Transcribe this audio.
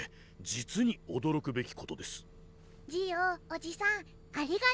ジオおじさんありがとう。